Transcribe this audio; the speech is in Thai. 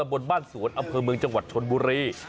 บนบ้านสวนอำเภอเมืองจังหวัดชนบุรี